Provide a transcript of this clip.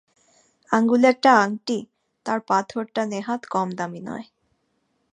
আঙুলে একটা আংটি– তার পাথরটা নেহাত কম দামি নয়।